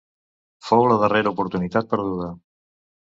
Fou la darrera oportunitat perduda.